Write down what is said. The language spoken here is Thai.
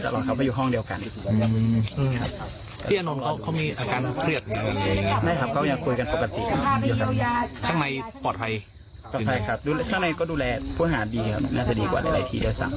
ต่างครับท่านงายก็ดูแลผู้หาดีกว่าน่าจะดีกว่าในหลายที่เดียวสัก